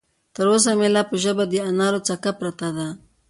تر اوسه مې لا په ژبه د انارو څکه پرته ده.